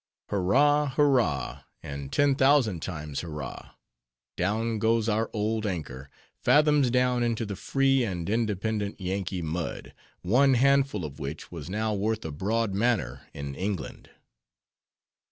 Hurra! hurra! and ten thousand times hurra! down goes our old anchor, fathoms down into the free and independent Yankee mud, one handful of which was now worth a broad manor in England.